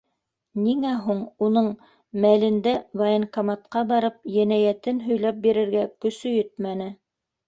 Ниңә һуң уның мәлендә военкоматҡа барып енәйәтен һөйләп бирергә көсө етмәне?